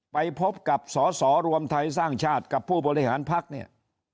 ไปพบกับสอสอรวมไทยสร้างชาติกับผู้บริหารพักเนี่ย